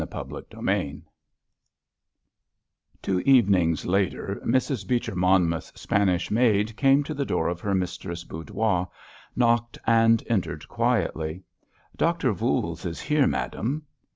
CHAPTER XXI Two evenings later Mrs. Beecher Monmouth's Spanish maid came to the door of her mistress's boudoir, knocked, and entered quietly. "Doctor Voules is here, madam."